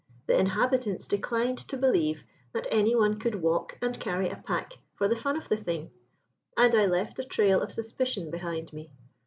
The inhabitants declined to believe that anyone could walk and carry a pack for the fun of the thing, and I left a trail of suspicion behind me.